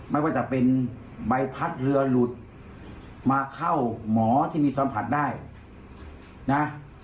ไม่ว่าจะเป็นใบพัดเรือหลุดมาเข้าหมอที่มีสัมผัสได้นะ